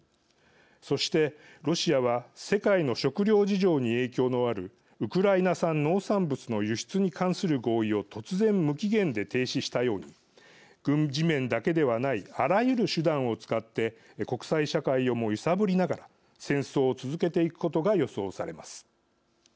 そして、ロシアは世界の食糧事情に影響のあるウクライナ産農産物の輸出に関する合意を突然、無期限で停止したように軍事面だけではないあらゆる手段を使って国際社会をも揺さぶりながら戦争を続けていくことが予想されます。